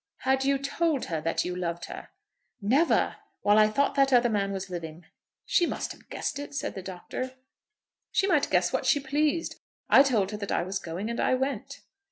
"Had you told her that you loved her?" "Never, while I thought that other man was living." "She must have guessed it," said the Doctor. "She might guess what she pleased. I told her that I was going, and I went."